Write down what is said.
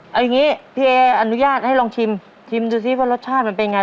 เอาอย่างนี้พี่เออนุญาตให้ลองชิมชิมดูซิว่ารสชาติมันเป็นไง